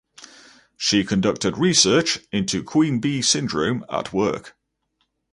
She conducted research into Queen bee syndrome at work.